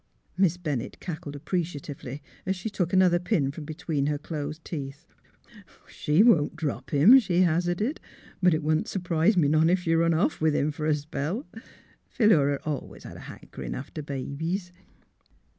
Miss Bennett cackled appreciatively as she took another pin from between her closed teeth. '' She won't drop him," she hazarded; '' but it wouldn't s 'prise me none if she run off with him fer a spell. Philura always had a hankerin' after babies."